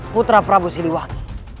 putra prabu siliwangi